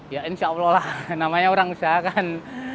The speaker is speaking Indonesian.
ya insya allah lah namanya orang usaha kan